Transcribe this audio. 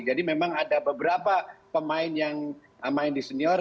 jadi memang ada beberapa pemain yang main di senior